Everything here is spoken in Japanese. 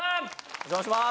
お邪魔します！